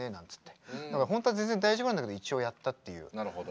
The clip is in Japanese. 本当は全然大丈夫なんだけど一応やったっていう。